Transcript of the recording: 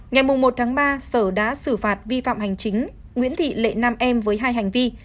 ngày một ba sở đã xử phạt vi phạm hành chính nguyễn thị lệ nam em với hai hành vi